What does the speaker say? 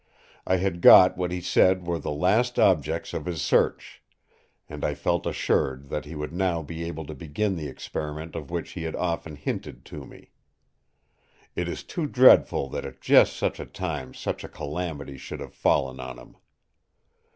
I had got what he said were the last objects of his search; and I felt assured that he would now be able to begin the experiment of which he had often hinted to me. It is too dreadful that at just such a time such a calamity should have fallen on him.